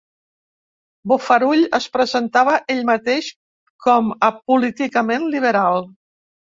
Bofarull es presentava ell mateix com a políticament liberal.